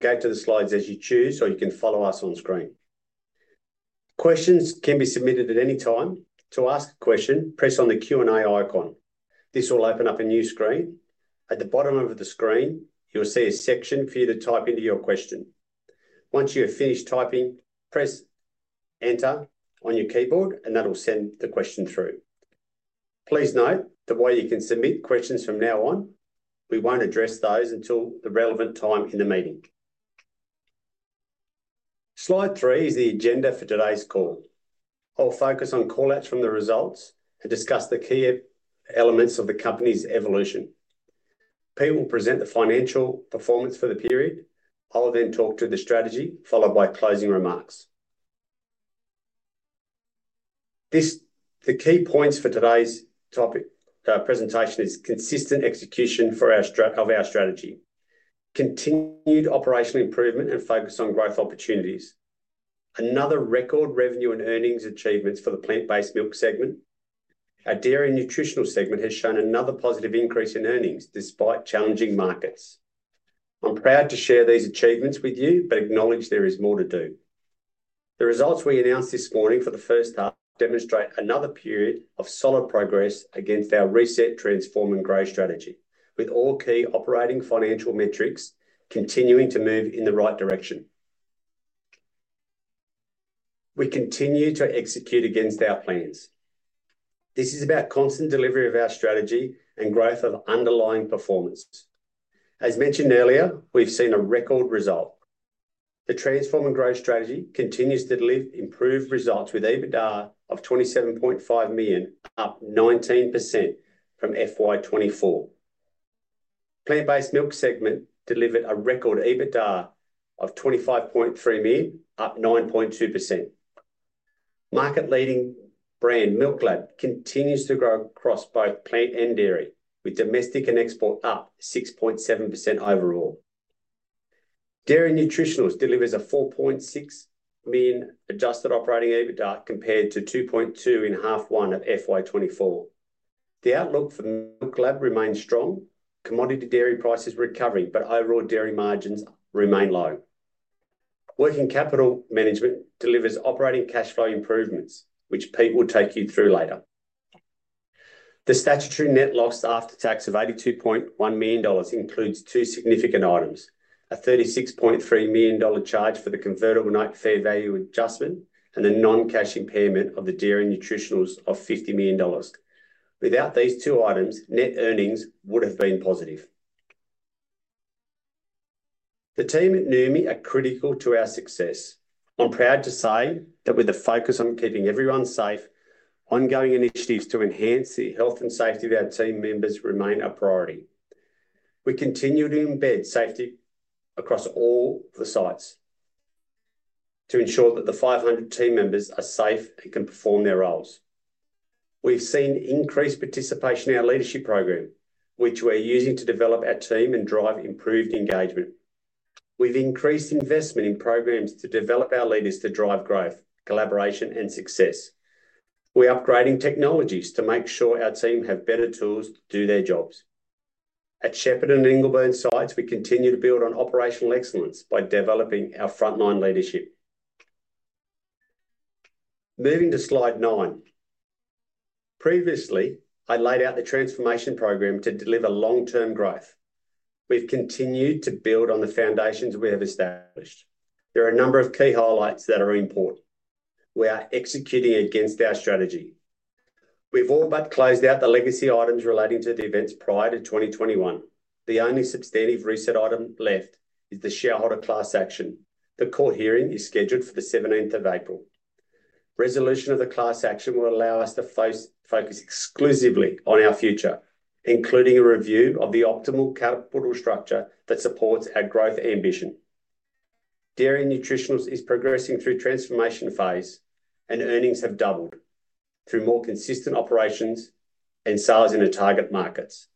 Go to the slides as you choose, or you can follow us on screen. Questions can be submitted at any time. To ask a question, press on the Q&A icon. This will open up a new screen. At the bottom of the screen, you'll see a section for you to type in your question. Once you have finished typing, press Enter on your keyboard, and that'll send the question through. Please note the way you can submit questions from now on: we won't address those until the relevant time in the meeting. Slide three is the agenda for today's call. I'll focus on callouts from the results and discuss the key elements of the company's evolution. Peter will present the financial performance for the period. I'll then talk to the strategy, followed by closing remarks. The key points for today's presentation are consistent execution of our strategy, continued operational improvement, and focus on growth opportunities. Another record revenue and earnings achievement for the plant-based milk segment. Our dairy nutritional segment has shown another positive increase in earnings despite challenging markets. I'm proud to share these achievements with you, but acknowledge there is more to do. The results we announced this morning for the first half demonstrate another period of solid progress against our reset, transform, and grow strategy, with all key operating financial metrics continuing to move in the right direction. We continue to execute against our plans. This is about constant delivery of our strategy and growth of underlying performance. As mentioned earlier, we've seen a record result. The transform and grow strategy continues to deliver improved results with EBITDA of 27.5 million, up 19% from FY2024. The plant-based milk segment delivered a record EBITDA of 25.3 million, up 9.2%. Market-leading brand MILKLAB continues to grow across both plant and dairy, with domestic and export up 6.7% overall. Dairy nutritionals delivers a 4.6 million adjusted operating EBITDA compared to 2.2 million in first half of FY2024. The outlook for MILKLAB remains strong. Commodity dairy prices are recovering, but overall dairy margins remain low. Working capital management delivers operating cash flow improvements, which Pete will take you through later. The statutory net loss after tax of AUD 82.1 million includes two significant items: a AUD 36.3 million charge for the convertible notes fair value adjustment and a non-cash impairment of the dairy nutritionals of 50 million dollars. Without these two items, net earnings would have been positive. The team at Noumi are critical to our success. I'm proud to say that with a focus on keeping everyone safe, ongoing initiatives to enhance the health and safety of our team members remain a priority. We continue to embed safety across all the sites to ensure that the 500 team members are safe and can perform their roles. We've seen increased participation in our leadership program, which we're using to develop our team and drive improved engagement. We've increased investment in programs to develop our leaders to drive growth, collaboration, and success. We're upgrading technologies to make sure our team have better tools to do their jobs. At Shepparton and Ingleburn sites, we continue to build on operational excellence by developing our frontline leadership. Moving to slide nine. Previously, I laid out the transformation program to deliver long-term growth. We've continued to build on the foundations we have established. There are a number of key highlights that are important. We are executing against our strategy. We've all but closed out the legacy items relating to the events prior to 2021. The only substantive reset item left is the Shareholder Class Action. The court hearing is scheduled for the 17th of April. Resolution of the Class Action will allow us to focus exclusively on our future, including a review of the optimal capital structure that supports our growth ambition. Dairy nutritionals is progressing through the transformation phase, and earnings have doubled through more consistent operations and sales in target markets.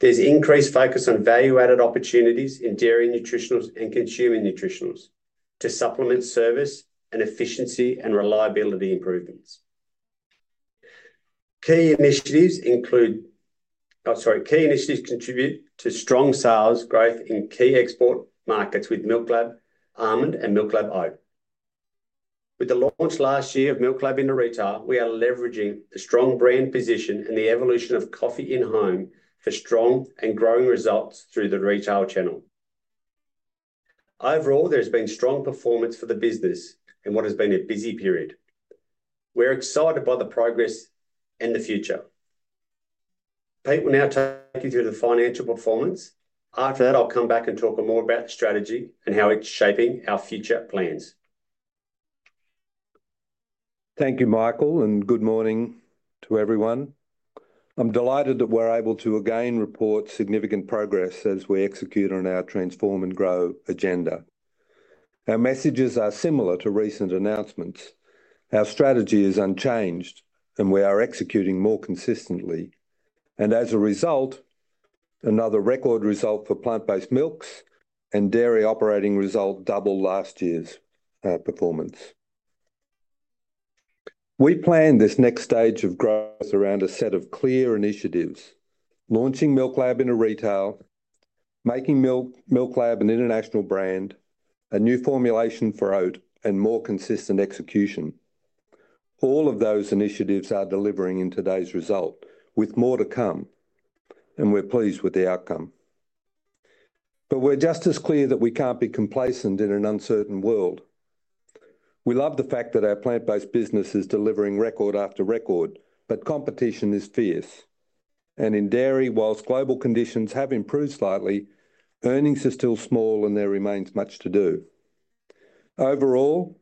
There's increased focus on value-added opportunities in dairy nutritionals and consumer nutritionals to supplement service and efficiency and reliability improvements. Key initiatives contribute to strong sales growth in key export markets with MILKLAB Almond, and MILKLAB Oat. With the launch last year of MILKLAB into retail, we are leveraging the strong brand position and the evolution of coffee in home for strong and growing results through the retail channel. Overall, there's been strong performance for the business in what has been a busy period. We're excited by the progress and the future. Pete will now take you through the financial performance. After that, I'll come back and talk more about the strategy and how it's shaping our future plans. Thank you, Michael, and good morning to everyone. I'm delighted that we're able to again report significant progress as we execute on our transform and grow agenda. Our messages are similar to recent announcements. Our strategy is unchanged, and we are executing more consistently. As a result, another record result for plant-based milks and dairy operating result doubled last year's performance. We plan this next stage of growth around a set of clear initiatives: launching MILKLAB into retail, making MILKLAB an international brand, a new formulation for oat, and more consistent execution. All of those initiatives are delivering in today's result, with more to come, and we're pleased with the outcome. We are just as clear that we can't be complacent in an uncertain world. We love the fact that our plant-based business is delivering record after record, but competition is fierce. In dairy, whilst global conditions have improved slightly, earnings are still small, and there remains much to do. Overall,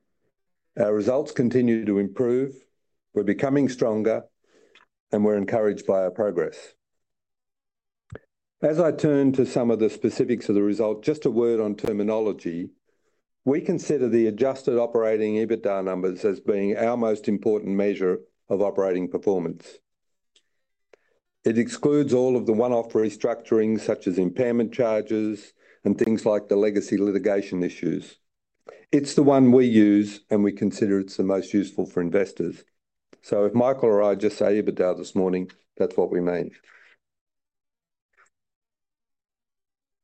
our results continue to improve. We're becoming stronger, and we're encouraged by our progress. As I turn to some of the specifics of the result, just a word on terminology. We consider the adjusted operating EBITDA numbers as being our most important measure of operating performance. It excludes all of the one-off restructuring, such as impairment charges and things like the legacy litigation issues. It's the one we use, and we consider it's the most useful for investors. If Michael or I just say EBITDA this morning, that's what we mean.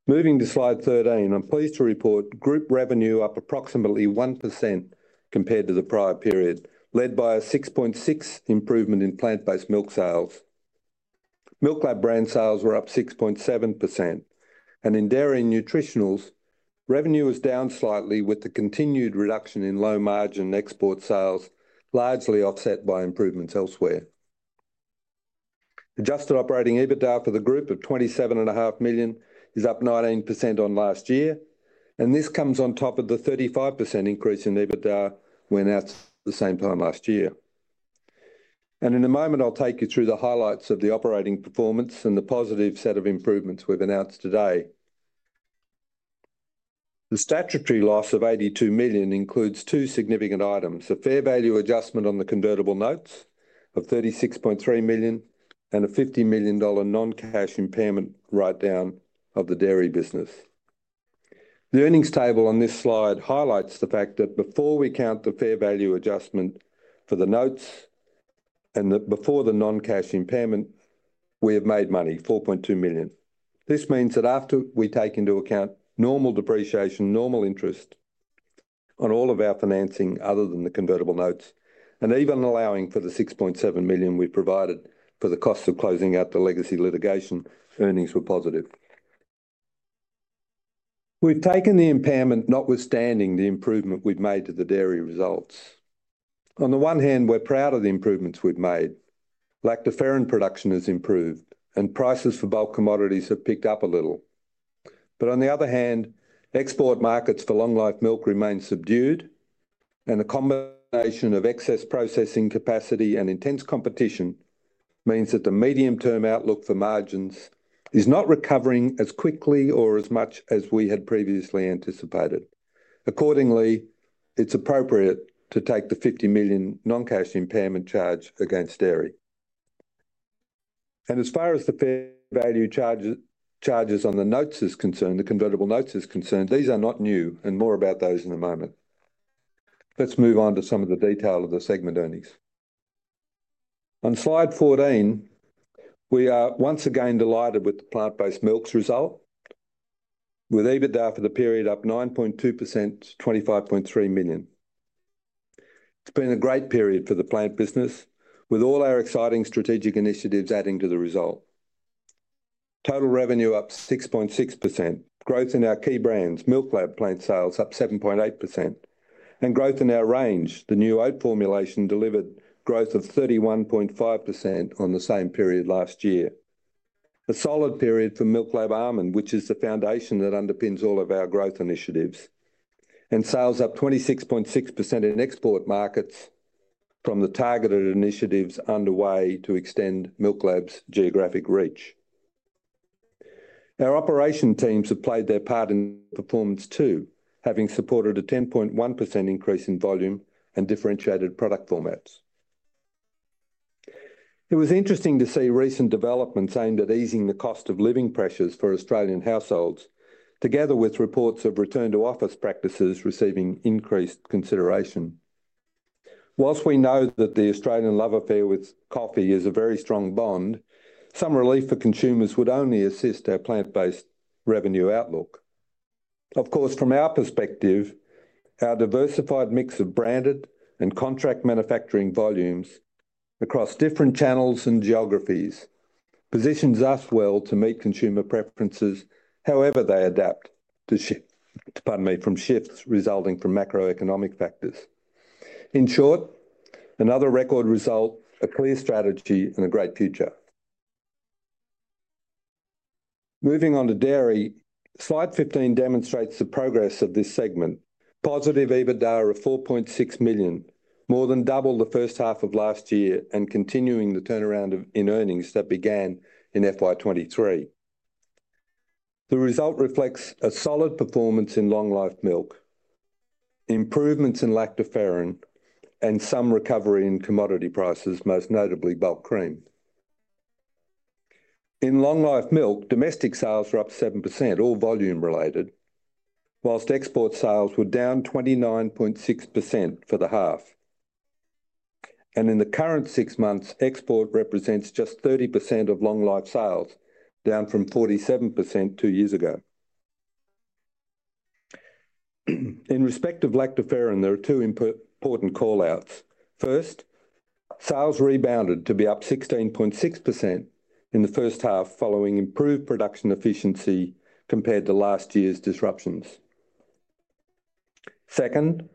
Moving to slide 13, I'm pleased to report group revenue up approximately 1% compared to the prior period, led by a 6.6% improvement in plant-based milk sales. MILKLAB brand sales were up 6.7%. In dairy nutritionals, revenue was down slightly with the continued reduction in low-margin export sales, largely offset by improvements elsewhere. Adjusted operating EBITDA for the group of 27.5 million is up 19% on last year. This comes on top of the 35% increase in EBITDA we announced at the same time last year. In a moment, I'll take you through the highlights of the operating performance and the positive set of improvements we've announced today. The statutory loss of 82 million includes two significant items: a fair value adjustment on the convertible notes of 36.3 million and an AUD 50 million non-cash impairment write-down of the dairy business. The earnings table on this slide highlights the fact that before we count the fair value adjustment for the notes and before the non-cash impairment, we have made money, 4.2 million. This means that after we take into account normal depreciation, normal interest on all of our financing other than the convertible notes, and even allowing for the 6.7 million we provided for the cost of closing out the legacy litigation, earnings were positive. We've taken the impairment notwithstanding the improvement we've made to the dairy results. On the one hand, we're proud of the improvements we've made. Lactoferrin production has improved, and prices for bulk commodities have picked up a little. On the other hand, export markets for long-life milk remain subdued, and the combination of excess processing capacity and intense competition means that the medium-term outlook for margins is not recovering as quickly or as much as we had previously anticipated. Accordingly, it's appropriate to take the 50 million non-cash impairment charge against dairy. As far as the fair value charges on the notes are concerned, the convertible notes are concerned, these are not new, and more about those in a moment. Let's move on to some of the detail of the segment earnings. On slide 14, we are once again delighted with the plant-based milk's result, with EBITDA for the period up 9.2% to 25.3 million. It's been a great period for the plant business, with all our exciting strategic initiatives adding to the result. Total revenue up 6.6%, growth in our key brands, MILKLAB plant sales up 7.8%, and growth in our range, the new oat formulation delivered growth of 31.5% on the same period last year. A solid period for MILKLAB Almond, which is the foundation that underpins all of our growth initiatives, and sales up 26.6% in export markets from the targeted initiatives underway to extend MILKLAB's geographic reach. Our operation teams have played their part in performance too, having supported a 10.1% increase in volume and differentiated product formats. It was interesting to see recent developments aimed at easing the cost of living pressures for Australian households, together with reports of return-to-office practices receiving increased consideration. Whilst we know that the Australian love affair with coffee is a very strong bond, some relief for consumers would only assist our plant-based revenue outlook. Of course, from our perspective, our diversified mix of branded and contract manufacturing volumes across different channels and geographies positions us well to meet consumer preferences however they adapt from shifts resulting from macroeconomic factors. In short, another record result, a clear strategy, and a great future. Moving on to dairy, slide 15 demonstrates the progress of this segment. Positive EBITDA of 4.6 million, more than double the first half of last year and continuing the turnaround in earnings that began in FY2023. The result reflects a solid performance in long-life milk, improvements in lactoferrin, and some recovery in commodity prices, most notably bulk cream. In long-life milk, domestic sales were up 7%, all volume-related, whilst export sales were down 29.6% for the half. In the current six months, export represents just 30% of long-life sales, down from 47% two years ago. In respect of lactoferrin, there are two important callouts. First, sales rebounded to be up 16.6% in the first half following improved production efficiency compared to last year's disruptions. Second,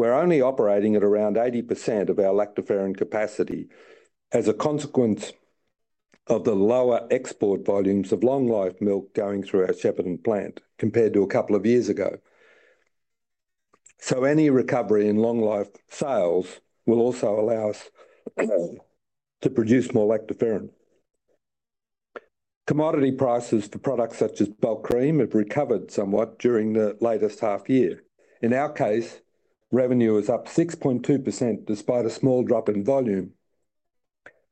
we're only operating at around 80% of our lactoferrin capacity as a consequence of the lower export volumes of long-life milk going through our Shepparton plant compared to a couple of years ago. Any recovery in long-life sales will also allow us to produce more lactoferrin. Commodity prices for products such as bulk cream have recovered somewhat during the latest half year. In our case, revenue is up 6.2% despite a small drop in volume.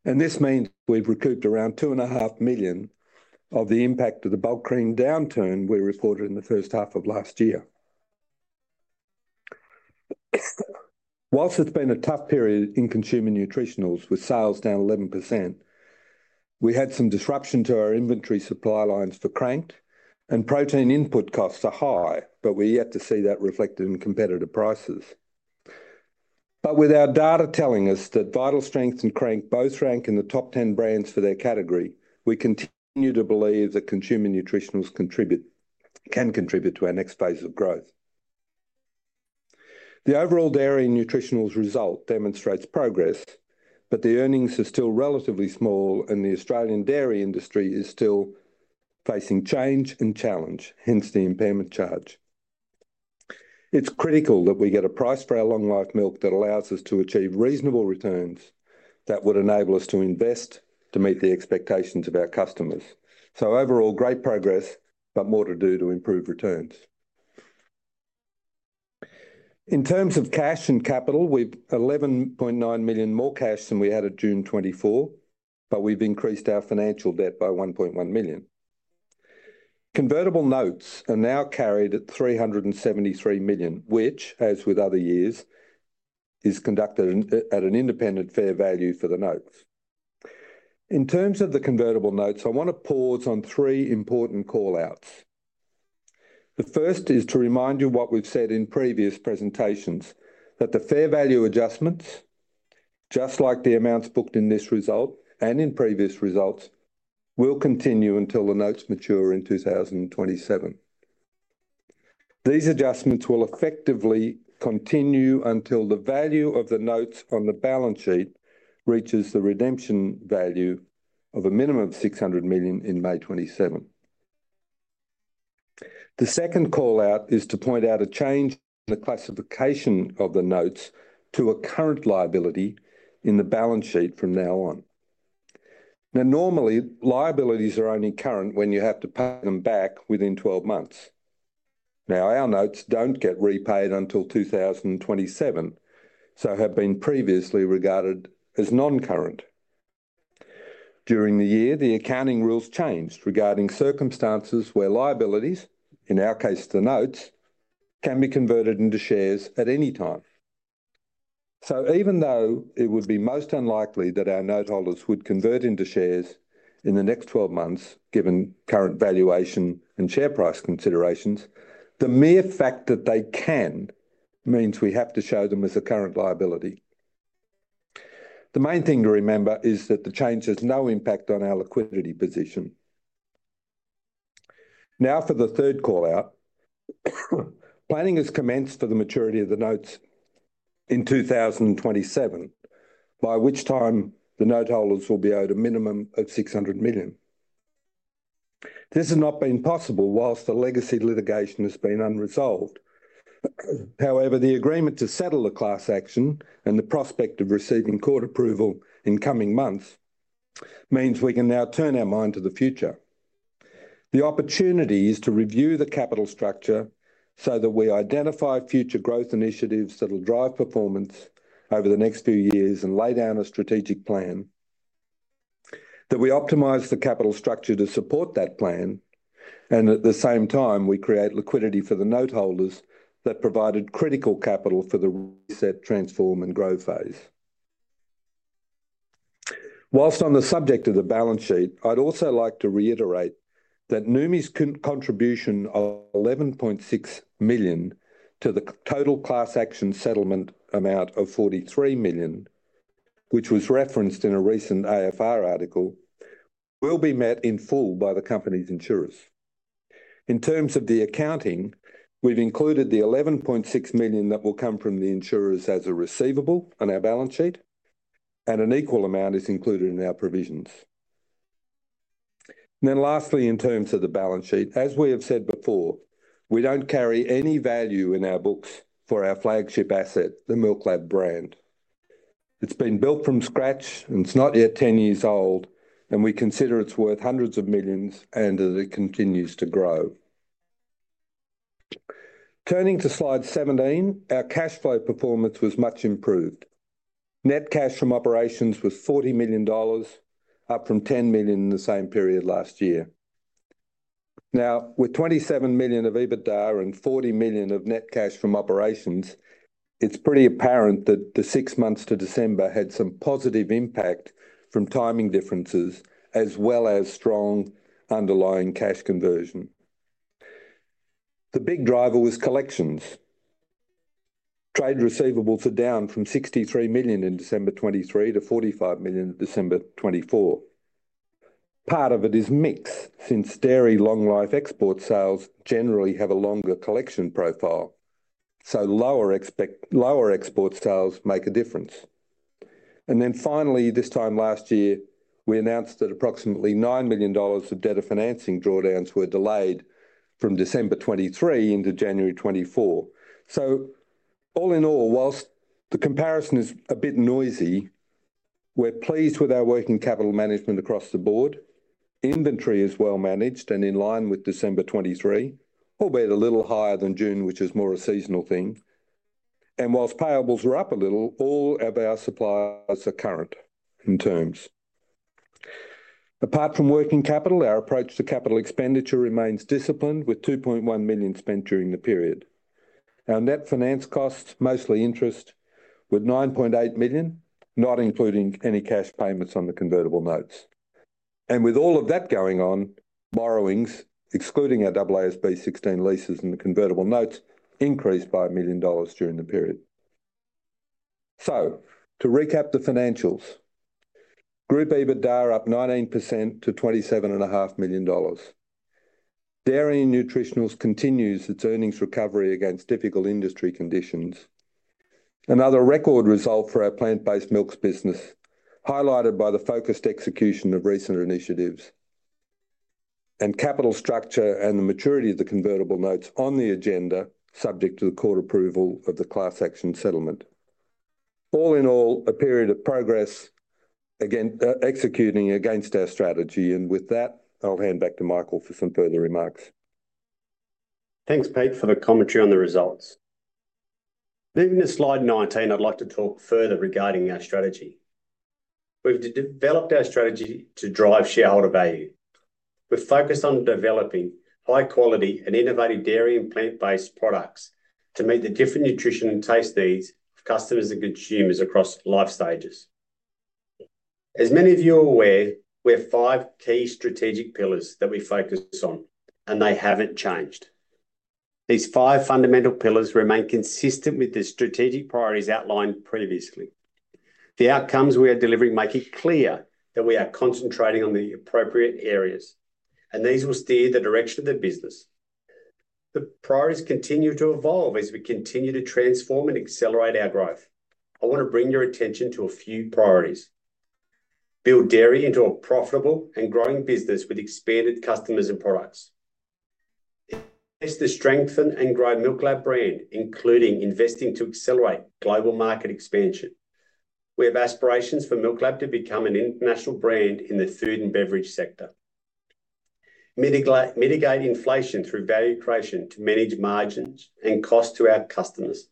This means we've recouped around 2.5 million of the impact of the bulk cream downturn we reported in the first half of last year. Whilst it's been a tough period in consumer nutritionals with sales down 11%, we had some disruption to our inventory supply lines for Crankt, and protein input costs are high, but we're yet to see that reflected in competitive prices. With our data telling us that Vital Strength and Crankt both rank in the top 10 brands for their category, we continue to believe that consumer nutritionals can contribute to our next phase of growth. The overall dairy nutritionals result demonstrates progress, but the earnings are still relatively small, and the Australian dairy industry is still facing change and challenge, hence the impairment charge. It is critical that we get a price for our long-life milk that allows us to achieve reasonable returns that would enable us to invest to meet the expectations of our customers. Overall, great progress, but more to do to improve returns. In terms of cash and capital, we have 11.9 million more cash than we had at June 24, but we have increased our financial debt by 1.1 million. Convertible notes are now carried at 373 million, which, as with other years, is conducted at an independent fair value for the notes. In terms of the convertible notes, I want to pause on three important callouts. The first is to remind you of what we've said in previous presentations, that the fair value adjustments, just like the amounts booked in this result and in previous results, will continue until the notes mature in 2027. These adjustments will effectively continue until the value of the notes on the balance sheet reaches the redemption value of a minimum of 600 million in May 2027. The second callout is to point out a change in the classification of the notes to a current liability in the balance sheet from now on. Now, normally, liabilities are only current when you have to pay them back within 12 months. Now, our notes do not get repaid until 2027, so have been previously regarded as non-current. During the year, the accounting rules changed regarding circumstances where liabilities, in our case, the notes, can be converted into shares at any time. Even though it would be most unlikely that our noteholders would convert into shares in the next 12 months, given current valuation and share price considerations, the mere fact that they can means we have to show them as a current liability. The main thing to remember is that the change has no impact on our liquidity position. For the third callout, planning is commenced for the maturity of the notes in 2027, by which time the noteholders will be owed a minimum of 600 million. This has not been possible whilst the legacy litigation has been unresolved. However, the agreement to settle the class action and the prospect of receiving court approval in coming months means we can now turn our mind to the future. The opportunity is to review the capital structure so that we identify future growth initiatives that will drive performance over the next few years and lay down a strategic plan, that we optimize the capital structure to support that plan, and at the same time, we create liquidity for the noteholders that provided critical capital for the reset, transform, and grow phase. Whilst on the subject of the balance sheet, I'd also like to reiterate that Noumi's contribution of 11.6 million to the total class action settlement amount of 43 million, which was referenced in a recent AFR article, will be met in full by the company's insurers. In terms of the accounting, we've included the 11.6 million that will come from the insurers as a receivable on our balance sheet, and an equal amount is included in our provisions. Lastly, in terms of the balance sheet, as we have said before, we don't carry any value in our books for our flagship asset, the MILKLAB brand. It's been built from scratch, and it's not yet 10 years old, and we consider it's worth hundreds of millions and that it continues to grow. Turning to slide 17, our cash flow performance was much improved. Net cash from operations was 40 million dollars, up from 10 million in the same period last year. Now, with 27 million of EBITDA and 40 million of net cash from operations, it's pretty apparent that the six months to December had some positive impact from timing differences as well as strong underlying cash conversion. The big driver was collections. Trade receivables are down from 63 million in December 2023 to 45 million in December 2024. Part of it is mixed since dairy long-life export sales generally have a longer collection profile, so lower export sales make a difference. Finally, this time last year, we announced that approximately 9 million dollars of debtor financing drawdowns were delayed from December 2023 into January 2024. All in all, whilst the comparison is a bit noisy, we're pleased with our working capital management across the board. Inventory is well managed and in line with December 2023, albeit a little higher than June, which is more a seasonal thing. Whilst payables are up a little, all of our suppliers are current in terms. Apart from working capital, our approach to capital expenditure remains disciplined with 2.1 million spent during the period. Our net finance costs, mostly interest, were 9.8 million, not including any cash payments on the convertible notes. With all of that going on, borrowings, excluding our AASB 16 leases and the convertible notes, increased by 1 million dollars during the period. To recap the financials, group EBITDA up 19% to 27.5 million dollars. Dairy and nutritionals continues its earnings recovery against difficult industry conditions. Another record result for our plant-based milks business, highlighted by the focused execution of recent initiatives. Capital structure and the maturity of the convertible notes on the agenda, subject to the court approval of the class action settlement. All in all, a period of progress executing against our strategy. With that, I'll hand back to Michael for some further remarks. Thanks, Pete, for the commentary on the results. Moving to slide 19, I'd like to talk further regarding our strategy. We've developed our strategy to drive shareholder value. We're focused on developing high-quality and innovative dairy and plant-based products to meet the different nutrition and taste needs of customers and consumers across life stages. As many of you are aware, we have five key strategic pillars that we focus on, and they haven't changed. These five fundamental pillars remain consistent with the strategic priorities outlined previously. The outcomes we are delivering make it clear that we are concentrating on the appropriate areas, and these will steer the direction of the business. The priorities continue to evolve as we continue to transform and accelerate our growth. I want to bring your attention to a few priorities. Build dairy into a profitable and growing business with expanded customers and products. It is to strengthen and grow MILKLAB brand, including investing to accelerate global market expansion. We have aspirations for MILKLAB to become an international brand in the food and beverage sector. Mitigate inflation through value creation to manage margins and costs to our customers.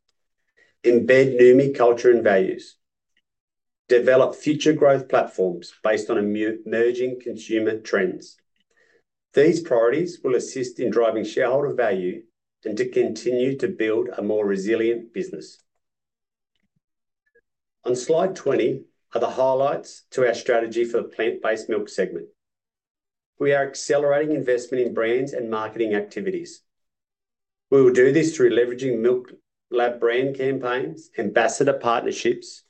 Embed Noumi culture and values. Develop future growth platforms based on emerging consumer trends. These priorities will assist in driving shareholder value and to continue to build a more resilient business. On slide 20 are the highlights to our strategy for the plant-based milk segment. We are accelerating investment in brands and marketing activities. We will do this through leveraging MILKLAB brand campaigns, ambassador partnerships,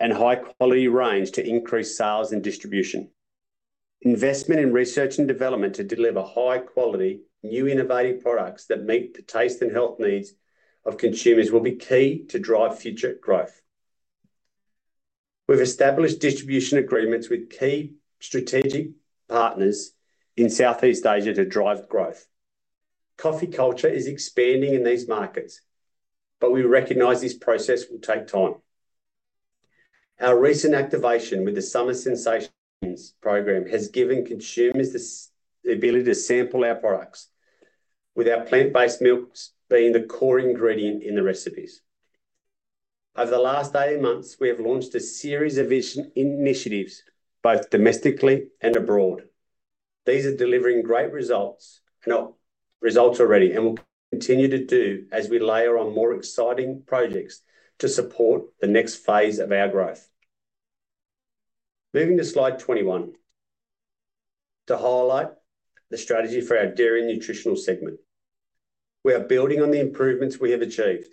and high-quality range to increase sales and distribution. Investment in research and development to deliver high-quality, new, innovative products that meet the taste and health needs of consumers will be key to drive future growth. We've established distribution agreements with key strategic partners in Southeast Asia to drive growth. Coffee culture is expanding in these markets, but we recognize this process will take time. Our recent activation with the Summer Sensations program has given consumers the ability to sample our products, with our plant-based milks being the core ingredient in the recipes. Over the last eight months, we have launched a series of initiatives both domestically and abroad. These are delivering great results already and will continue to do as we layer on more exciting projects to support the next phase of our growth. Moving to slide 21, to highlight the strategy for our dairy nutritionals segment. We are building on the improvements we have achieved.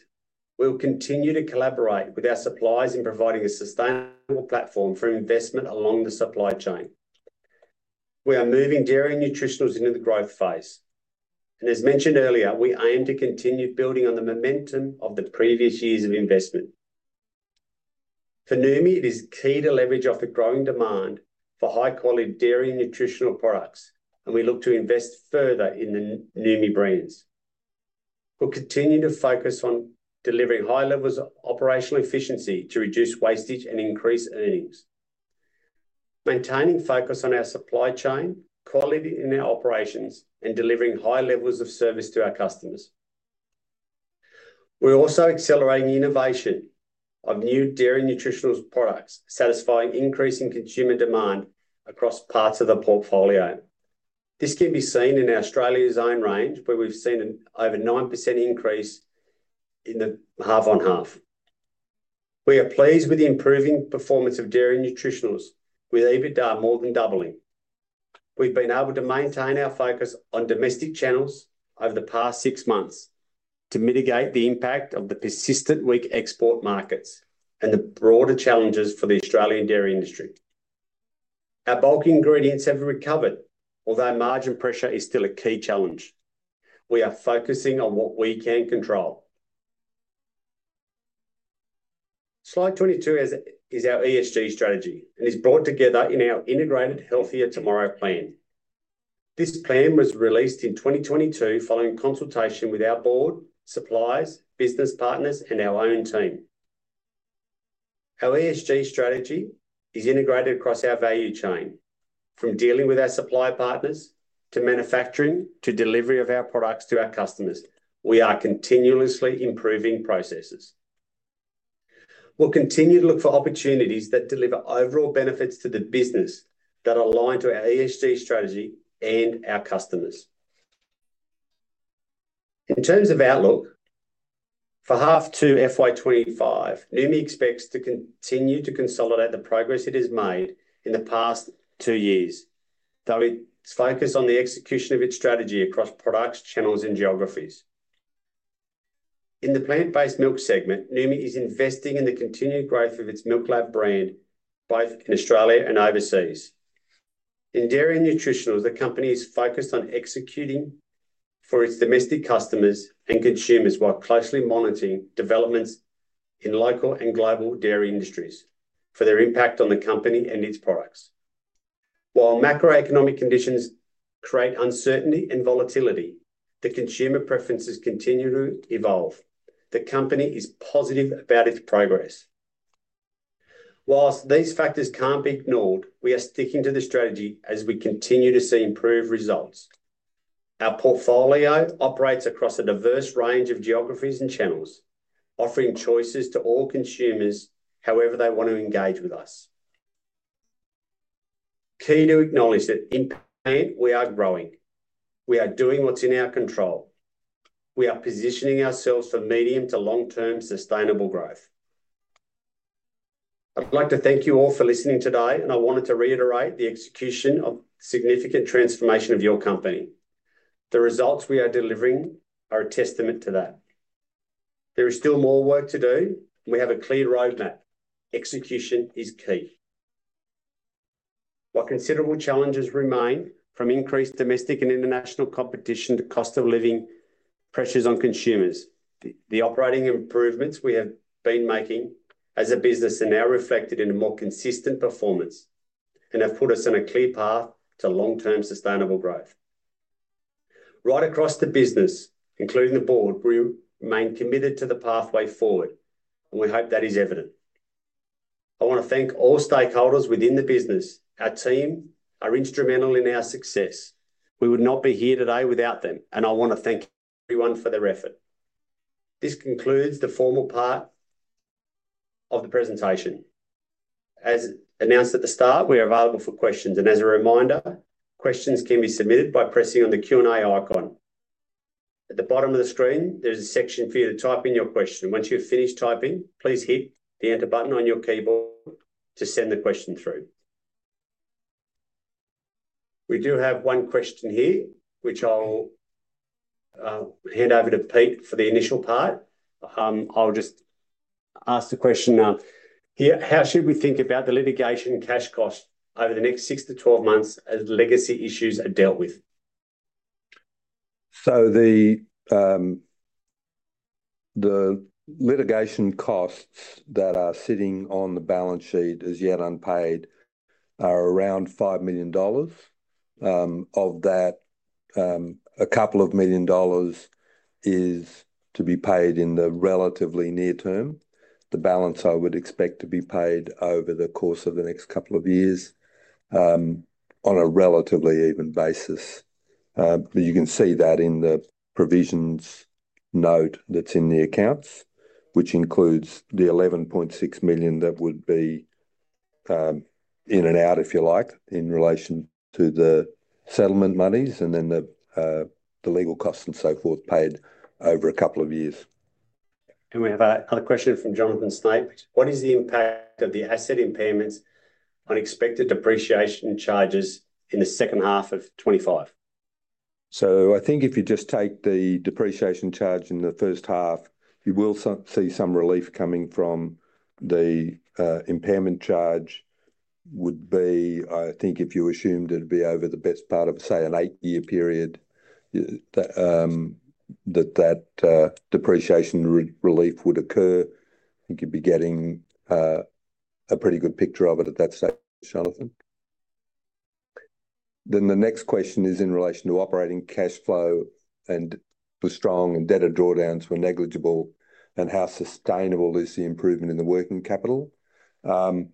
We'll continue to collaborate with our suppliers in providing a sustainable platform for investment along the supply chain. We are moving dairy nutritionals into the growth phase. As mentioned earlier, we aim to continue building on the momentum of the previous years of investment. For Noumi, it is key to leverage off the growing demand for high-quality dairy nutritionals products, and we look to invest further in the Noumi brands. We'll continue to focus on delivering high levels of operational efficiency to reduce wastage and increase earnings, maintaining focus on our supply chain, quality in our operations, and delivering high levels of service to our customers. We're also accelerating the innovation of new dairy nutritionals products, satisfying increasing consumer demand across parts of the portfolio. This can be seen in Australia's Own range, where we've seen an over 9% increase in the half-on-half. We are pleased with the improving performance of dairy nutritionals, with EBITDA more than doubling. We've been able to maintain our focus on domestic channels over the past six months to mitigate the impact of the persistent weak export markets and the broader challenges for the Australian dairy industry. Our bulk ingredients have recovered, although margin pressure is still a key challenge. We are focusing on what we can control. Slide 22 is our ESG strategy and is brought together in our Integrated Healthier Tomorrow plan. This plan was released in 2022 following consultation with our board, suppliers, business partners, and our own team. Our ESG strategy is integrated across our value chain, from dealing with our supply partners to manufacturing to delivery of our products to our customers. We are continuously improving processes. We'll continue to look for opportunities that deliver overall benefits to the business that align to our ESG strategy and our customers. In terms of outlook, for half to FY2025, Noumi expects to continue to consolidate the progress it has made in the past two years, though it's focused on the execution of its strategy across products, channels, and geographies. In the plant-based milk segment, Noumi is investing in the continued growth of its MILKLAB brand, both in Australia and overseas. In dairy and nutritionals, the company is focused on executing for its domestic customers and consumers while closely monitoring developments in local and global dairy industries for their impact on the company and its products. While macroeconomic conditions create uncertainty and volatility, the consumer preferences continue to evolve. The company is positive about its progress. Whilst these factors can't be ignored, we are sticking to the strategy as we continue to see improved results. Our portfolio operates across a diverse range of geographies and channels, offering choices to all consumers however they want to engage with us. Key to acknowledge that even in pain, we are growing. We are doing what's in our control. We are positioning ourselves for medium to long-term sustainable growth. I'd like to thank you all for listening today, and I wanted to reiterate the execution of significant transformation of your company. The results we are delivering are a testament to that. There is still more work to do, and we have a clear roadmap. Execution is key. While considerable challenges remain from increased domestic and international competition to cost of living pressures on consumers, the operating improvements we have been making as a business are now reflected in a more consistent performance and have put us on a clear path to long-term sustainable growth. Right across the business, including the board, we remain committed to the pathway forward, and we hope that is evident. I want to thank all stakeholders within the business. Our team are instrumental in our success. We would not be here today without them, and I want to thank everyone for their effort. This concludes the formal part of the presentation. As announced at the start, we are available for questions. As a reminder, questions can be submitted by pressing on the Q&A icon. At the bottom of the screen, there's a section for you to type in your question. Once you've finished typing, please hit the enter button on your keyboard to send the question through. We do have one question here, which I'll hand over to Pete for the initial part. I'll just ask the question now. How should we think about the litigation cash cost over the next 6-12 months as legacy issues are dealt with? The litigation costs that are sitting on the balance sheet as yet unpaid are around 5 million dollars. Of that, a couple of million dollars is to be paid in the relatively near term. The balance I would expect to be paid over the course of the next couple of years on a relatively even basis. You can see that in the provisions note that's in the accounts, which includes the 11.6 million that would be in and out, if you like, in relation to the settlement monies and then the legal costs and so forth paid over a couple of years. Do we have another question from Jonathan Snape? What is the impact of the asset impairments on expected depreciation charges in the second half of 2025? I think if you just take the depreciation charge in the first half, you will see some relief coming from the impairment charge would be, I think if you assumed it would be over the best part of, say, an eight-year period that that depreciation relief would occur, I think you would be getting a pretty good picture of it at that stage, Jonathan. The next question is in relation to operating cash flow and. Were strong and debtor drawdowns were negligible, and how sustainable is the improvement in the working capital? I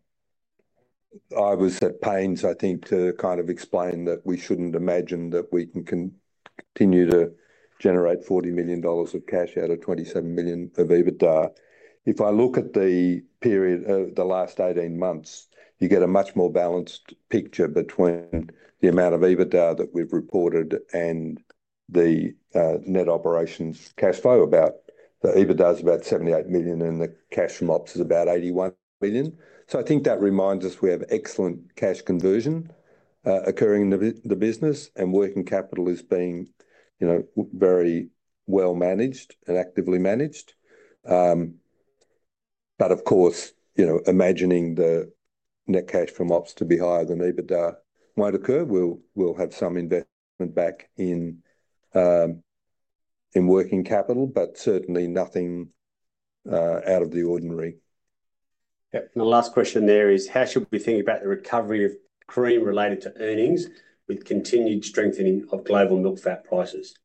was at pains, I think, to kind of explain that we shouldn't imagine that we can continue to generate 40 million dollars of cash out of 27 million of EBITDA. If I look at the period of the last 18 months, you get a much more balanced picture between the amount of EBITDA that we've reported and the net operations cash flow. The EBITDA is about 78 million, and the cash from ops is about 81 million. I think that reminds us we have excellent cash conversion occurring in the business, and working capital is being very well managed and actively managed. Of course, imagining the net cash from ops to be higher than EBITDA might occur, we'll have some investment back in working capital, but certainly nothing out of the ordinary. Yeah. The last question there is, how should we think about the recovery of cream related to earnings with continued strengthening of global milk fat prices?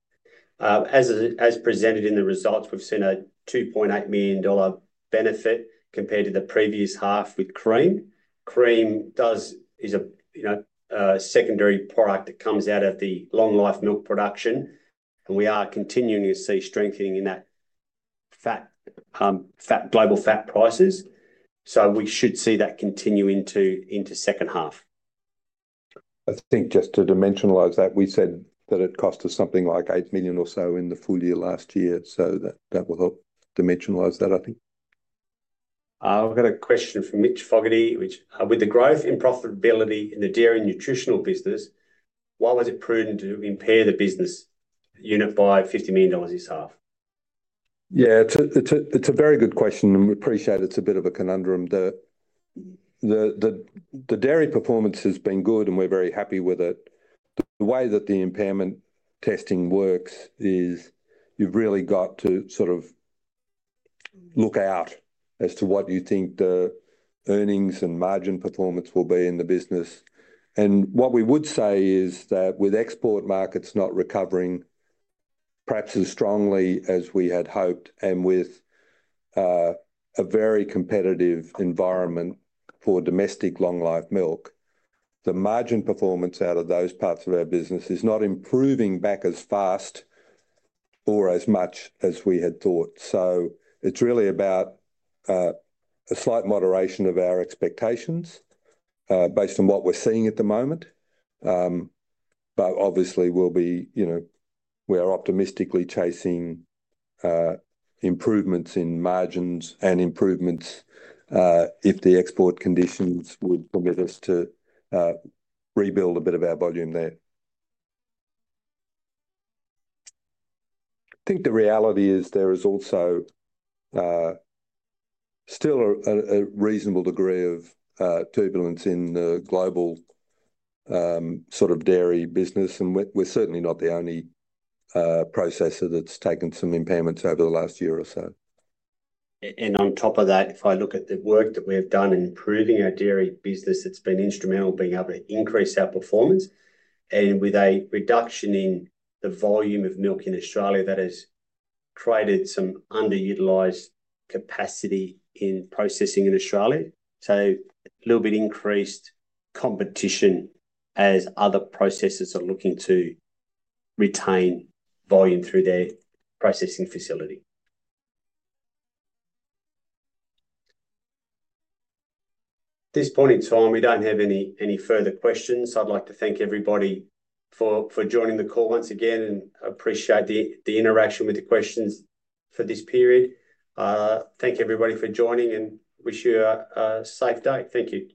As presented in the results, we've seen an 2.8 million dollar benefit compared to the previous half with cream. Cream is a secondary product that comes out of the long-life milk production, and we are continuing to see strengthening in that global fat prices. We should see that continue into the second half. I think just to dimensionalise that, we said that it cost us something like 8 million or so in the full year last year. That will help dimensionalise that, I think. I've got a question from Mitch Fogarty, which, with the growth in profitability in the dairy nutritional business, why was it prudent to impair the business unit by 50 million dollars this half? Yeah, it's a very good question, and we appreciate it's a bit of a conundrum. The dairy performance has been good, and we're very happy with it. The way that the impairment testing works is you've really got to sort of look out as to what you think the earnings and margin performance will be in the business. What we would say is that with export markets not recovering perhaps as strongly as we had hoped and with a very competitive environment for domestic long-life milk, the margin performance out of those parts of our business is not improving back as fast or as much as we had thought. It is really about a slight moderation of our expectations based on what we are seeing at the moment. Obviously, we are optimistically chasing improvements in margins and improvements if the export conditions would permit us to rebuild a bit of our volume there. I think the reality is there is also still a reasonable degree of turbulence in the global sort of dairy business, and we are certainly not the only processor that has taken some impairments over the last year or so. On top of that, if I look at the work that we have done in improving our dairy business, it has been instrumental being able to increase our performance. With a reduction in the volume of milk in Australia, that has created some underutilized capacity in processing in Australia. A little bit increased competition as other processors are looking to retain volume through their processing facility. At this point in time, we don't have any further questions. I'd like to thank everybody for joining the call once again and appreciate the interaction with the questions for this period. Thank everybody for joining and wish you a safe day. Thank you.